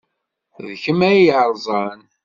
D kemm ay t-yerẓan?